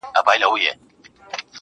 o تك سپين زړگي ته دي پوښ تور جوړ كړی.